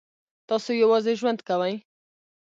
تاسو یوازې ژوند کوئ؟